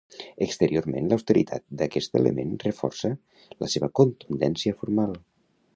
Exteriorment l'austeritat d'aquest element reforça la seva contundència formal.